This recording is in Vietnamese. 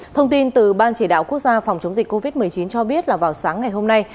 thông tin từ ban chỉ đạo quốc gia phòng chống dịch covid một mươi chín cho biết là vào sáng ngày hôm nay